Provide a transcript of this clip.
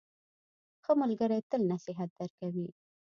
ښه ملګری تل نصیحت درکوي.